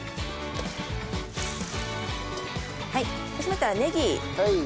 はいそうしましたらねぎ。